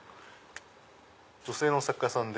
女性の作家さんで。